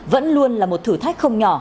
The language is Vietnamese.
vẫn luôn là một thử thách không nhỏ